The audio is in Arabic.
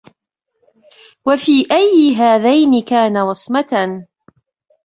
وَفِي أَيِّ هَذَيْنِ كَانَ وَصْمَةً